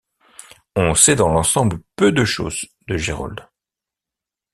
On sait dans l'ensemble peu de choses de Gérold.